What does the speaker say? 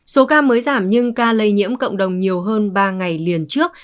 số ca mới giảm nhưng ca lây nhiễm cộng đồng nhiều hơn ba ngày liền trước